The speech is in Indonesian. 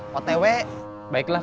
ya boleh lagi nih bilik